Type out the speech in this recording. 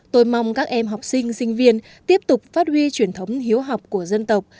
tôi mong các em học sinh sinh viên tiếp tục phát huy truyền thống hiếu học của dân tộc